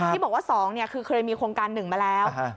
ที่บอกว่าสองเนี้ยคือเคยมีโครงการหนึ่งมาแล้วอ่าฮะ